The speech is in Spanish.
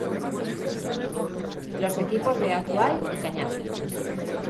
Los equipos de Azuay y Cañar.